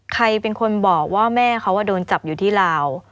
ใครเป็นคนบอกว่าแม่เขาโดนจับอยู่ที่ลาว